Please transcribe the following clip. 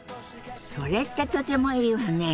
それってとてもいいわね！